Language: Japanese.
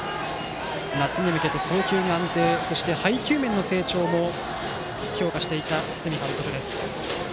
夏に向けて、送球の安定そして配球面の成長も評価していた堤監督。